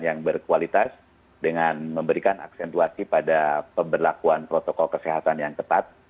dengan memiliki kualitas dengan memberikan aksentuasi pada pemberlakuan protokol kesehatan yang tepat